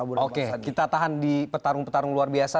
oke kita tahan di petarung petarung luar biasa